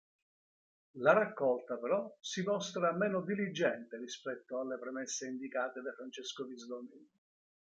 La raccolta, però, si mostra meno "diligente" rispetto alle premesse indicate da Francesco Visdomini.